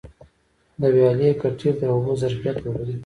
د ویالي کټېر د اوبو ظرفیت لوړوي.